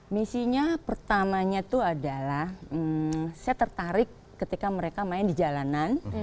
misinya pertamanya tuh adalah saya tertarik ketika mereka main di jalanan